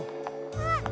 あっ！